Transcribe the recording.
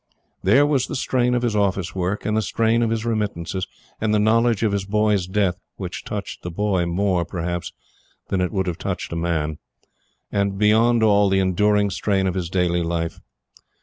There was the strain of his office work, and the strain of his remittances, and the knowledge of his boy's death, which touched the boy more, perhaps, than it would have touched a man; and, beyond all, the enduring strain of his daily life.